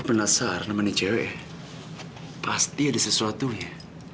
gue penasar sama nih cewek pasti ada sesuatunya